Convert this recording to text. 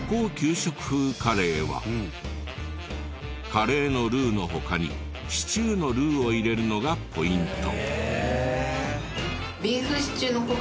カレーのルーの他にシチューのルーを入れるのがポイント。